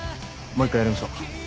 もう１回やりましょう。